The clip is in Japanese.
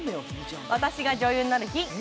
『私が女優になる日＿』